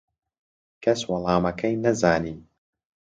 کەس وەڵامەکەی نەزانی.